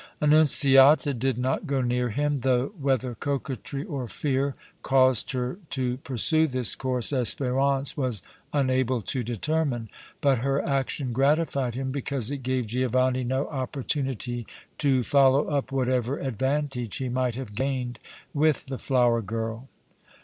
Annunziata did not go near him, though whether coquetry or fear caused her to pursue this course Espérance was unable to determine, but her action gratified him because it gave Giovanni no opportunity to follow up whatever advantage he might have gained with the flower girl.